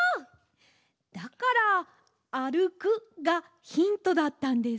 だから「あるく」がヒントだったんですね。